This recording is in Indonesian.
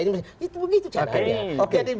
itu begitu cak